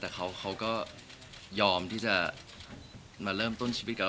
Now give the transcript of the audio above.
แต่เขาก็ยอมที่จะมาเริ่มต้นชีวิตกับเรา